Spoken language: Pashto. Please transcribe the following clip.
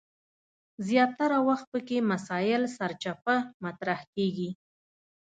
زیاتره وخت پکې مسایل سرچپه مطرح کیږي.